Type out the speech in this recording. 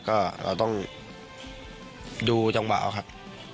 ก็เราต้องดูจังหวะเอาครับ